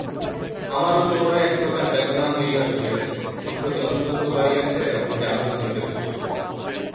আমারও কোমরে একপ্রকার বেদনা হইয়া রহিয়াছে, সম্প্রতি অত্যন্ত বাড়িয়াছে এবং যাতনা দিতেছে।